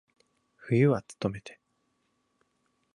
冬はつとめて。